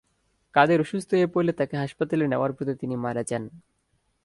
কাদের অসুস্থ হয়ে পড়লে তাঁকে হাসপাতালে নেওয়ার পথে তিনি মারা যান।